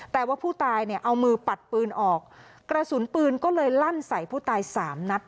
แต่ว่าผู้ตายเนี่ยเอามือปัดปืนออกกระสุนปืนก็เลยลั่นใส่ผู้ตายสามนัด